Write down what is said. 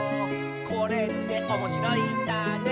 「これっておもしろいんだね」